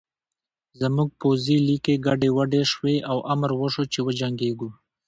زموږ پوځي لیکې ګډې وډې شوې او امر وشو چې وجنګېږو